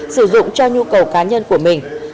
sử dụng cho nhu cầu cá nhân của mình